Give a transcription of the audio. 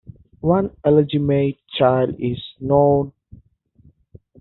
One illegitimate child is known.